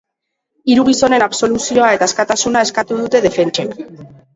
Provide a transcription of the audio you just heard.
Hiru gizonen absoluzioa eta askatasuna eskatu dute defentsek.